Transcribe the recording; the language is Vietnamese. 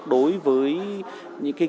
đối với những nghệ sĩ